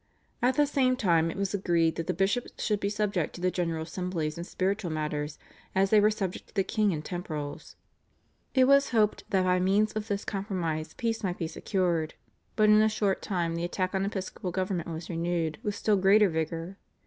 At the same time it was agreed that the bishops should be subject to the General Assemblies in spiritual matters, as they were subject to the king in temporals. It was hoped that by means of this compromise peace might be secured, but in a short time the attack on episcopal government was renewed with still greater vigour.